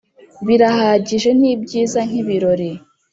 birahagije nibyiza nkibirori